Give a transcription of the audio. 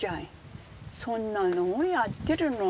そんなのもやってるの？